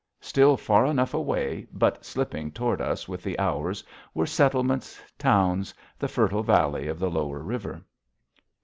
Still far enough away, but slipping toward us with the hours, were settlements, towns, the fertile valley of the lower river.